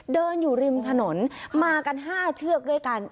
เดินอยู่ริมถนนมากัน๕เชือกด้วยกัน